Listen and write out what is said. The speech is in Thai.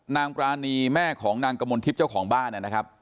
นางปรานีแม่ของนางกมลทิพย์เจ้าของบ้านนะครับ